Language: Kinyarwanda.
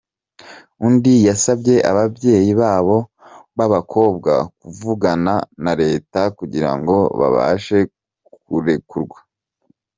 Undi yasabye ababyeyi babo bakobwa kuvugana na leta kugirango babashe kurekurwa.